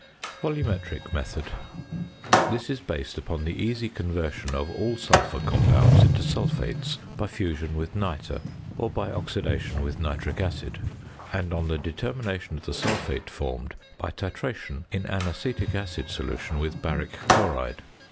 VOLUMETRIC METHOD. This is based upon the easy conversion of all sulphur compounds into sulphates by fusion with nitre or by oxidation with nitric acid; and on the determination of the sulphate formed by titration in an acetic acid solution with baric chloride.